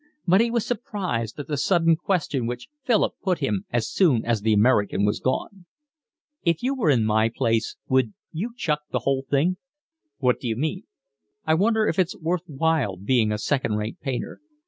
But he was surprised at the sudden question which Philip put him as soon as the American was gone. "If you were in my place would you chuck the whole thing?" "What do you mean?" "I wonder if it's worth while being a second rate painter.